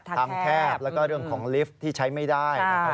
แคบแล้วก็เรื่องของลิฟท์ที่ใช้ไม่ได้นะครับ